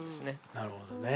なるほどね。